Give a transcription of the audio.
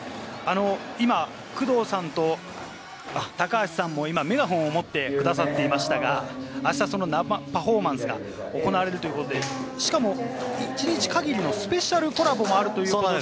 今、工藤さんと高橋さんもメガホンを持ってくださっていましたが、あした、その生パフォーマンスが行われるということで、しかも一日限りのスペシャルコラボもあるということで。